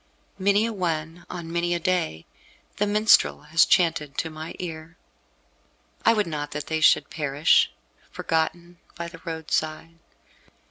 Many a one, on many a day, the minstrel has chanted to my ear. I would not that they should perish, forgotten, by the roadside.